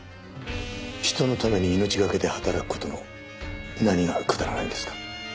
人のために命懸けで働く事の何がくだらないんですか？